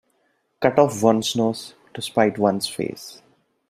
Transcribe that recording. Cut off one's nose to spite one's face.